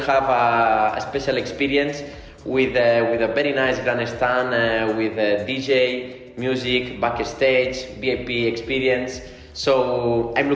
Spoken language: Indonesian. saya menantikan untuk berada di sana dan menikmati di sirkuit fans akan menikmati di sirkuit